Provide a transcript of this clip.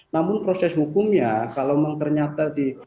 namun proses hukumnya kalau memang ternyata di